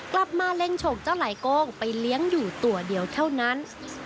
กลับมาเล่งโฉกเจ้าไหลโกงไปเลี้ยงอยู่ตัวเดียวเท่านั้น